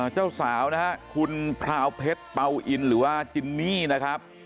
เจ้าสาวนะครับคุณพราวเพชรเปล่าอินหรือว่าจินนี่นะครับ